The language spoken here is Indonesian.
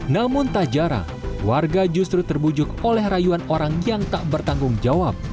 namun tak jarang warga justru terbujuk oleh rayuan orang yang tak bertanggung jawab